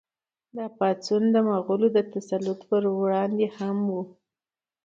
دا پاڅون د مغولو د تسلط پر وړاندې هم و.